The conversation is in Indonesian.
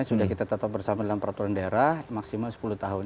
sudah kita tetap bersama dalam peraturan daerah maksimal sepuluh tahun